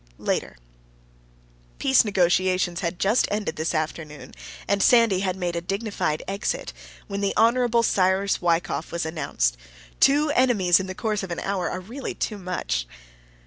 LATER. Peace negotiations had just ended this afternoon, and Sandy had made a dignified exit, when the Hon. Cyrus Wykoff was announced. Two enemies in the course of an hour are really too much!